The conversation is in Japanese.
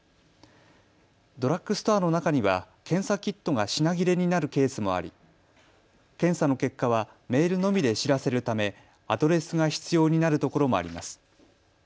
ドラッグストアの中には検査キットが品切れになるケースもあり、検査の結果はメールのみで知らせるため、アドレスが必要になる所もあります。